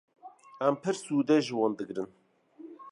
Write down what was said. Em pir sûdê ji wan digirin.